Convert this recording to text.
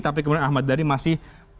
tapi kemudian ahmad dhani masih